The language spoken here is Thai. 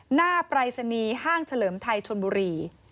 ปรายศนีย์ห้างเฉลิมไทยชนบุรี